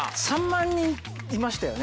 ３万人いましたよね。